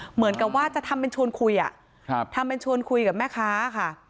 เหมือนกับว่าจะทำเป็นชวนคุยทำเป็นชวนคุยกับแม่ค้าค่ะ